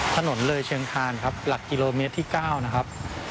ถนนเลยเชียงคานครับหลักกิโลเมตรที่๙นะครับ